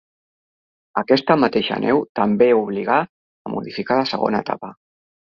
Aquesta mateixa neu també obligà a modificar la segona etapa.